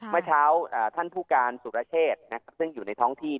เมื่อเช้าท่านผู้การสุรเชษซึ่งอยู่ในท้องที่